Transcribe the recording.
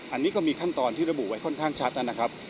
อันนี้ก็มีขั้นตอนที่ระบุไว้ค่อนข้างชัดนะครับ